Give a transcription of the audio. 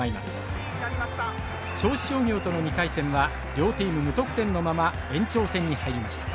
銚子商業との２回戦は両チーム無得点のまま延長戦に入りました。